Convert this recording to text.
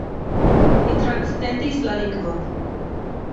Li transcendis la lingvon.